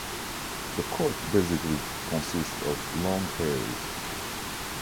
The coat basically consists of long hairs.